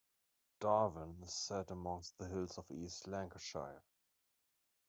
Darwen is set amongst the hills of East Lancashire.